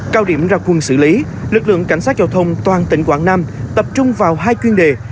cao điểm ra quân xử lý lực lượng cảnh sát giao thông toàn tỉnh quảng nam tập trung vào hai chuyên đề